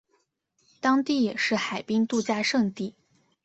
当地也是海滨度假胜地。